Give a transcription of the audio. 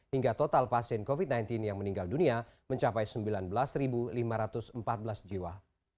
hingga total pasien covid sembilan belas yang meninggal dunia mencapai sembilan belas lima ratus empat belas jiwa